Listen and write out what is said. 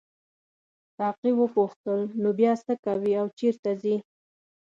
ساقي وپوښتل نو بیا څه کوې او چیرته ځې.